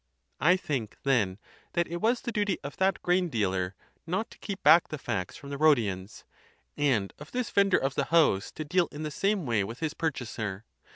I think, then, that it was the duty of that grain dealer not to keep back the facts from the Rhodians, and of this vendor of the house to deal in the same way with his purchaser.